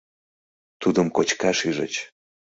Тудым кочкаш ӱжыч.